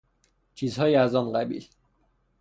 چیزهایی از آن قبیل